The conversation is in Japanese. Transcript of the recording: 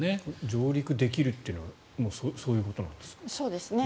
上陸できるというのはそういうことなんですか？